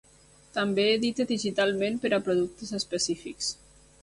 També edita digitalment per a productes específics.